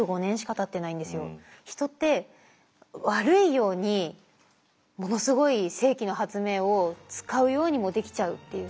人って悪いようにものすごい世紀の発明を使うようにもできちゃうっていうその。